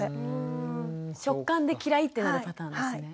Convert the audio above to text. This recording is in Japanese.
食感で嫌いってなるパターンですね。